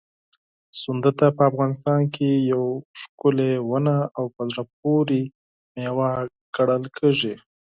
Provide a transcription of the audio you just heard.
سنځله په افغانستان کې یوه ښکلې ونه او په زړه پورې مېوه ګڼل کېږي.